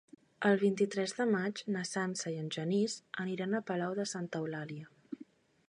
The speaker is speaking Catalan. El vint-i-tres de maig na Sança i en Genís aniran a Palau de Santa Eulàlia.